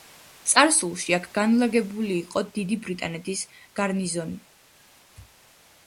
წარსულში აქ განლაგებული იყო დიდი ბრიტანეთის გარნიზონი.